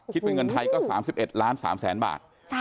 คิดเป็นเงินไทยก็๓๑ล้าน๓แสนบาท